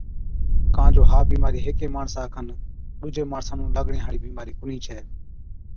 ڪان جو ها بِيمارِي هيڪي ماڻسا کن ڏُوجي ماڻسا نُون لاگڻي هاڙِي بِيمارِي ڪونهِي ڇَي۔